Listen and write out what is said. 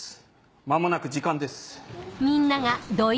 間もなく時間です。